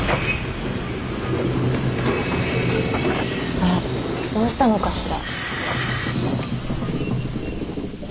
あらどうしたのかしら。